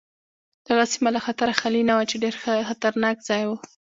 دغه سیمه له خطره خالي نه وه چې ډېر خطرناک ځای و.